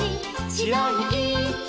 しろいいき